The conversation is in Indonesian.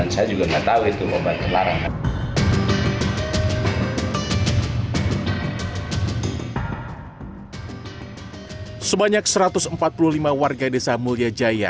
sebanyak satu ratus empat puluh lima warga desa mulya jaya